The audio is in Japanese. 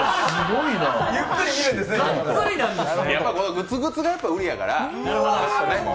グツグツがやっぱり売りやから。